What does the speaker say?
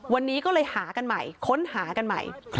วันนี้ก็เลยหากันใหม่ค้นหากันใหม่